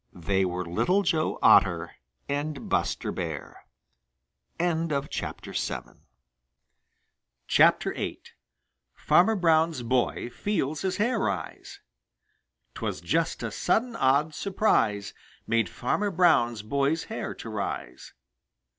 They were Little Joe Otter and Buster Bear. VIII FARMER BROWN'S BOY FEELS HIS HAIR RISE 'Twas just a sudden odd surprise Made Farmer Brown's boy's hair to rise.